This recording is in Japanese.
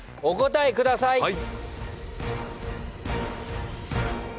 お答えください。